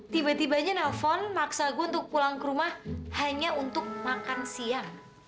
tiba tiba aja nelfon maksa gue untuk pulang ke rumah hanya untuk makan siang